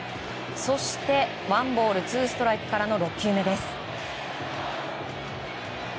そしてワンボールツーストライクからの６球目。